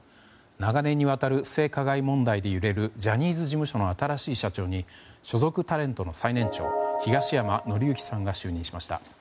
長年にわたる性加害問題で揺れるジャニーズ事務所の新しい社長に所属タレントの最年長東山紀之さんが就任しました。